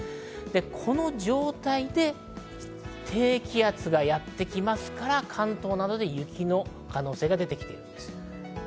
この状態で低気圧がやってきますから、関東などで雪の可能性が出てきているんです。